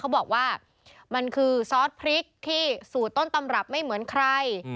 เขาบอกว่ามันคือซอสพริกที่สูตรต้นตำรับไม่เหมือนใคร